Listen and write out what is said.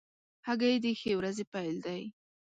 هګۍ د ښې ورځې پیل دی.